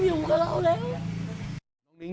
เสียดายลูกลูกไม่อยู่กับเราแล้ว